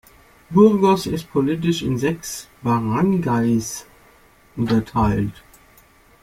Burgos ist politisch in sechs Baranggays unterteilt.